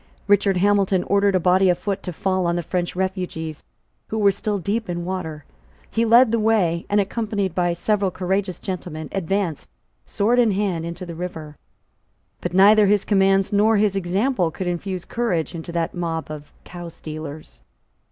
Richard Hamilton ordered a body of foot to fall on the French refugees, who were still deep in water. He led the way, and, accompanied by several courageous gentlemen, advanced, sword in hand, into the river. But neither his commands nor his example could infuse courage into that mob of cowstealers.